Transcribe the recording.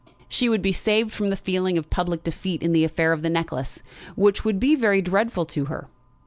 She would be saved from the feeling of public defeat in the affair of the necklace, which would be very dreadful to her.